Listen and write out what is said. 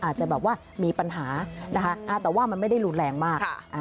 อาจจะแบบว่ามีปัญหานะคะแต่ว่ามันไม่ได้รุนแรงมาก